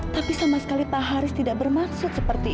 tapi sama sekali pak haris tidak bermaksud seperti itu